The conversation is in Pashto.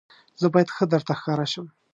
زه باید ښه درته ښکاره شم.